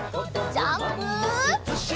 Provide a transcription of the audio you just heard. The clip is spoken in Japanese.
ジャンプ！